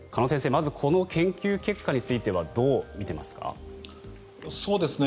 まずこの研究結果についてはどう見ていますか。